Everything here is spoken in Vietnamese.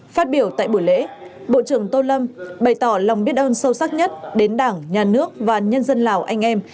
phát biểu tại buổi lễ bộ trưởng tô lâm bày tỏ lòng biết ơn sâu sắc nhất đến đảng nhà nước và nhân dân lào anh em